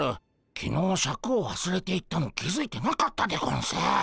きのうシャクをわすれていったの気付いてなかったでゴンス。